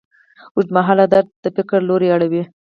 اوږدمهاله درد د فکر لوری اړوي.